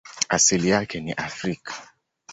Asili yake ni Afrika.